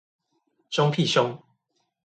兇屁兇